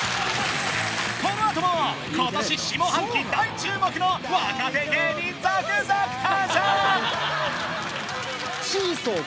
このあとも今年下半期大注目の若手芸人続々登場！